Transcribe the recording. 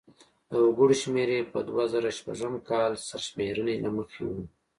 د وګړو شمېر یې په دوه زره شپږم کال سرشمېرنې له مخې و.